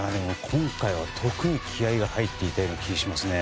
今回は特に気合が入っていたような気がしますね。